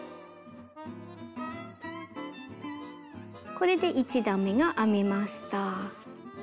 これで１段めが編めました。